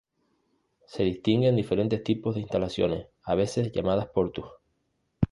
Se distinguen diferentes tipos de instalaciones, a veces llamadas Portus.